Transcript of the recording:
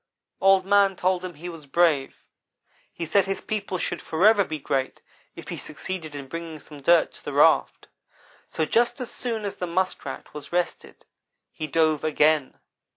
"Old man told him he was brave. He said his people should forever be great if he succeeded in bringing some dirt to the raft; so just as soon as the Muskrat was rested he dove again.